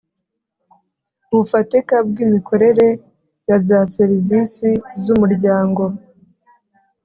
Bufatika bw imikorere ya za serivisi z umuryango